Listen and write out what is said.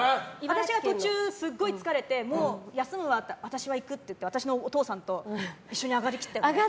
私が途中すごい疲れてもう休むわって言ったら「私は行く」って言って私のお父さんと一緒に上がりきったよね。